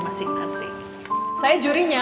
masing masing saya jurinya